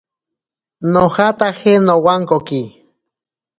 Nojataje nowankoki.